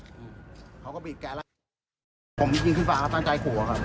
ผมยิงขึ้นฟ้าเขาตั้งใจขัว